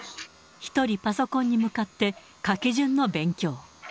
１人パソコンに向かって、書き順の勉強。